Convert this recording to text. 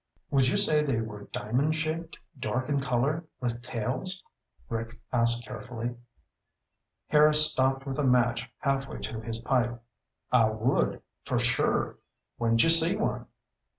"Would you say they were diamond shaped, dark in color, with tails?" Rick asked carefully. Harris stopped with a match halfway to his pipe. "I would. For sure. When'd you see one?"